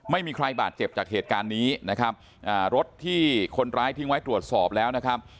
ไม่มีใครบาดเจ็บจากเหตุการณ์นี้นะครับอ่ารถที่คนร้ายทิ้งไว้ตรวจสอบแล้วนะครับ